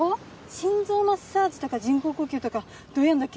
心臓マッサージとか人工呼吸とかどうやるんだっけ？